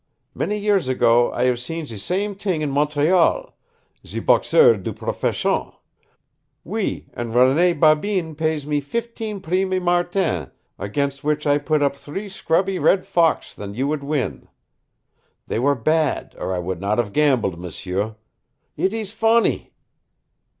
Many years ago I have seen ze same t'ing in Montreal ze boxeur de profession. Oui, an' Rene Babin pays me fifteen prime martin against which I put up three scrubby red fox that you would win. They were bad, or I would not have gambled, m'sieu. It ees fonny!"